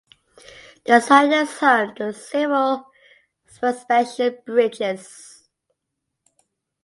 The site is home to several suspension bridges.